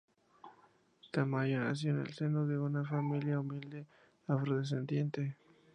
Tamayo nació en el seno de una familia humilde afrodescendiente.